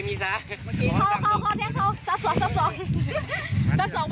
ขอเข้าแต๊กเข้าซับสอง